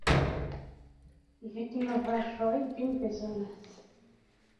Vikinovaĵoj vin bezonas!